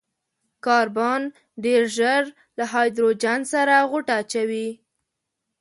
کاربن ډېر ژر له هايډروجن سره غوټه اچوي.